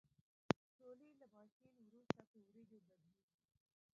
شولې له ماشین وروسته په وریجو بدلیږي.